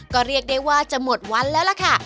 ก็เรียกได้ว่าจะหมดวันแล้วล่ะค่ะ